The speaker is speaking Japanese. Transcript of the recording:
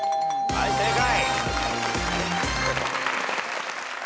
はい正解。